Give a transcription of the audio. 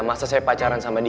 masa saya pacaran sama di